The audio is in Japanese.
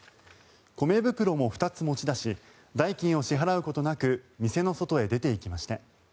米袋も２つ持ち出し代金を支払うことなく店の外へ出ていきました。